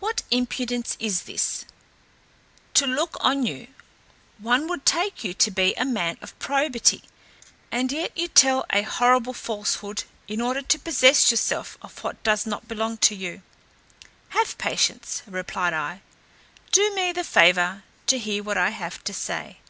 What impudence is this? To look on you, one would take you to be a man of probity, and yet you tell a horrible falsehood, in order to possess yourself of what does not belong to you." "Have patience," replied I; "do me the favour to hear what I have to say."